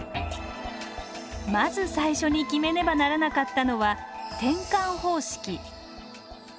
まず最初に決めねばならなかったのは転換方式。